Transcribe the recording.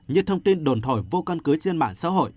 như thông tin đồn thổi vô căn cứ trên mạng xã hội